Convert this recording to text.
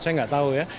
saya tidak tahu ya